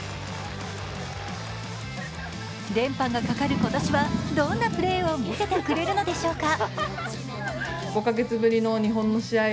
連覇がかかる今年は、どんなプレーを見せてくれるのでしょうか。